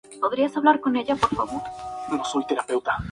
Ella está en la junta asesora del Círculo Polar Ártico.